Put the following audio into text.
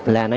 là nó nhảy